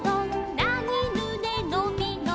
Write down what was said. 「なにぬねのびのび」